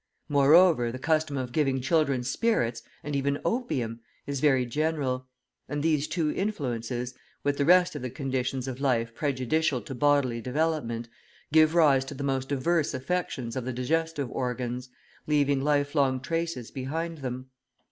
Moreover, the custom of giving children spirits, and even opium, is very general; and these two influences, with the rest of the conditions of life prejudicial to bodily development, give rise to the most diverse affections of the digestive organs, leaving life long traces behind them.